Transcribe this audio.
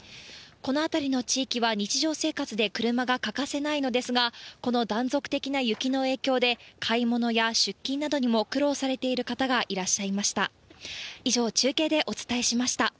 この辺りの地域は日常生活で車が欠かせないのですが、この断続的な雪の影響で、買い物や出勤などにも苦労されている方がいらっしゃいました。